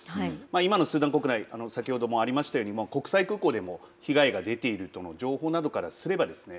今のスーダン国内先ほどもありましたように国際空港でも被害が出ているとの情報などからすればですね